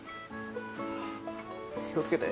気を付けて。